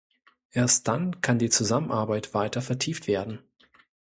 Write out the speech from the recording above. Erst dann kann die Zusammenarbeit weiter vertieft werden.